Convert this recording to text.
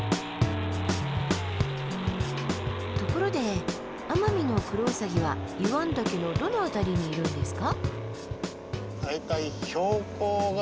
ところでアマミノクロウサギは湯湾岳のどの辺りにいるんですか？